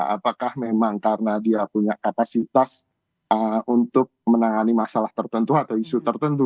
apakah memang karena dia punya kapasitas untuk menangani masalah tertentu atau isu tertentu